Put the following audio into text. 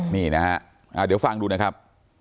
นี่นะฮะเดี๋ยวฟังดูนะครับ